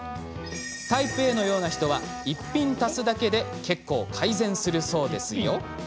タイプＡのような人は一品足すだけで結構、改善するそうですよ。